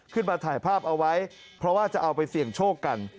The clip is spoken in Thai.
ขึ้นมาถ่ายภาพเอาไว้เพราะว่าจะเอาไปเสี่ยงโชคกัน